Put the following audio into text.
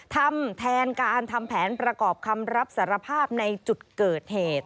ทำแทนการทำแผนประกอบคำรับสารภาพในจุดเกิดเหตุ